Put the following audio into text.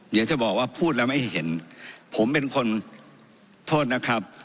เดี๋ยวจะบอกว่าพูดแล้วไม่เห็นผมเป็นคนโทษนะครับ